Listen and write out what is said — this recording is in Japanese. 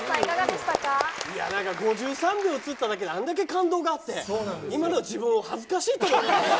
なんか５３秒映っただけであれだけ感動があって、今の自分を恥ずかしいと思いますね。